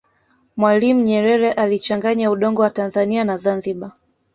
mwalimu nyerere alichanganya udongo wa tanzania na zanzibar